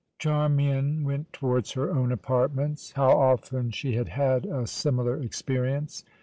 Charmain went towards her own apartments. How often she had had a similar experience!